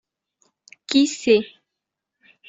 Qui c’est ?